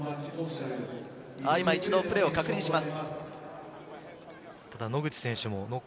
一度、プレーを確認します。